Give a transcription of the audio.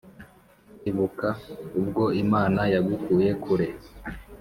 ibuka ubwo imana yagukuye kure